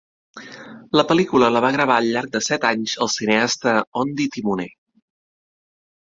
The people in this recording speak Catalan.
La pel·lícula la va gravar al llarg de set anys el cineasta Ondi Timoner.